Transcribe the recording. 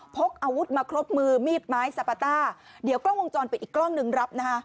พกอาวุธมาครบมือมีดไม้สปาต้าเดี๋ยวกล้องวงจรปิดอีกกล้องหนึ่งรับนะคะ